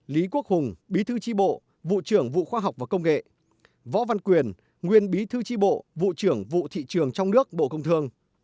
lý quốc hùng bí thư tri bộ vụ trưởng vụ khoa học và công nghệ võ văn quyền nguyên bí thư tri bộ vụ trưởng vụ thị trường trong nước bộ công thương